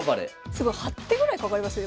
すごい８手ぐらいかかりますね